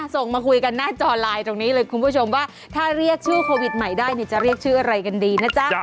ส่งมาคุยกันหน้าจอไลน์ตรงนี้เลยคุณผู้ชมว่าถ้าเรียกชื่อโควิดใหม่ได้เนี่ยจะเรียกชื่ออะไรกันดีนะจ๊ะ